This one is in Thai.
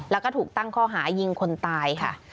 แล้วก็ถูกตั้งข้อหายิงคนตายค่ะ